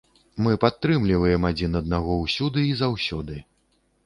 Мы падтрымліваем адзін аднаго ўсюды і заўсёды.